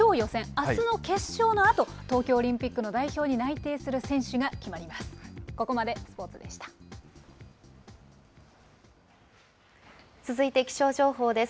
あすの決勝のあと、東京オリンピックの代表に内定する選手が決まります。